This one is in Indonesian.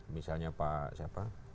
misalnya pak yusril dan sebagainya